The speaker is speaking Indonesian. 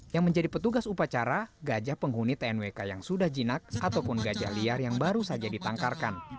yang menjadi petugas upacara gajah penghuni tnwk yang sudah jinak ataupun gajah liar yang baru saja ditangkarkan